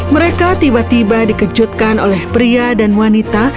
mereka tiba tiba dikejutkan oleh pria dan wanita